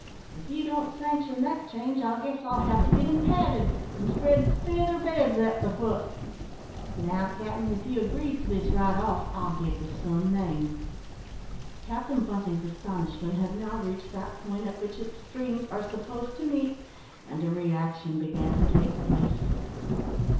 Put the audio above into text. If you don't sanction that change, I guess I'll have to get 'em padded, and spread feather beds at the foot. Now, cap'n, if you agrees to this right off, I'll give the sum named." Captain Bunting's astonishment had now reached that point at which extremes are supposed to meet, and a reaction began to take place.